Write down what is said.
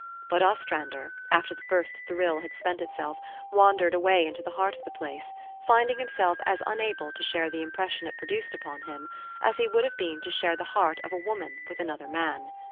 But Ostrander, after the first thrill had spent itself, wan dered away into the heart of the place, finding him self as unable to share the impression it produced upon him as he would have been to share the heart of a woman with another man.